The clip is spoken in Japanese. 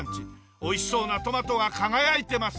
おいしそうなトマトが輝いてます。